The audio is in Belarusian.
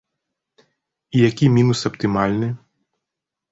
І які мінус аптымальны?